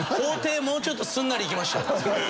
もうちょっとすんなりいきましたよ。